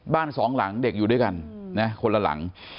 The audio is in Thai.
สองหลังเด็กอยู่ด้วยกันนะคนละหลัง